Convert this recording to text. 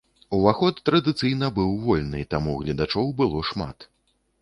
Уваход традыцыйна быў вольны, таму гледачоў было шмат.